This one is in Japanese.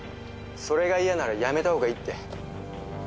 それが嫌なら辞めた方がいいって。